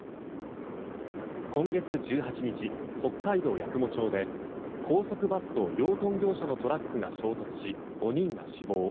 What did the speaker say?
今月１８日、北海道八雲町で高速バスと養豚業者のトラックが衝突し５人が死亡。